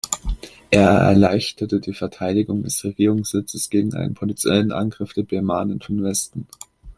Er erleichterte die Verteidigung des Regierungssitzes gegen einen potentiellen Angriff der Birmanen von Westen.